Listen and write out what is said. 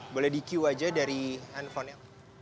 boleh di cue aja dari handphone nya